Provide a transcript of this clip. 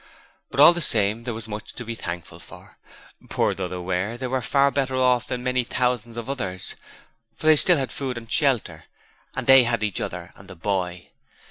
But all the same there was much to be thankful for: poor though they were, they were far better off than many thousands of others: they still had food and shelter, and they had each other and the boy.